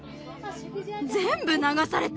全部流された！